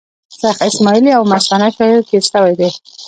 شېخ اسماعیل یو مستانه شاعر تېر سوﺉ دﺉ.